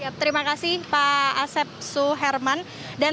dan terkait mekanisme yang dilakukan